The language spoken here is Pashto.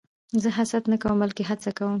زه حسد نه کوم؛ بلکې هڅه کوم.